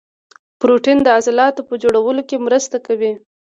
پروټین د عضلاتو په جوړولو کې مرسته کوي